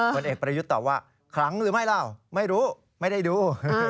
เมินเอกประยุทธตอบว่าคลังหรือไม่รู้ไม่ได้ดู